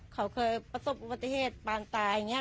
เขาเคยประสบอุบัติเหตุปานตายอย่างนี้